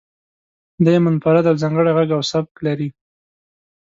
دی منفرد او ځانګړی غږ او سبک لري.